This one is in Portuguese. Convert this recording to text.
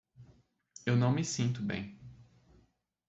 Eu não me sinto bem.